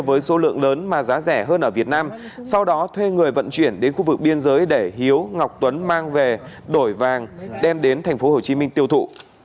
với số lượng lớn mà giá rẻ hơn ở việt nam sau đó thuê người vận chuyển đến khu vực biên giới để hiếu ngọc tuấn mang về đổi vàng đem đến tp hcm tiêu thụ